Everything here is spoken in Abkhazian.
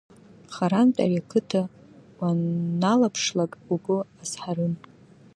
Харантә ари ақыҭа уанналаԥшлак, угәы азҳарын.